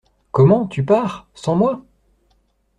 Comment ! tu pars ?… sans moi ?